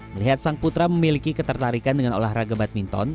melihat sang putra memiliki ketertarikan dengan olahraga badminton